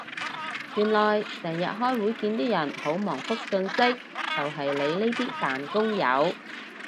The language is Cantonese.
原來成日開會見啲人好忙覆訊息就係你呢啲扮工友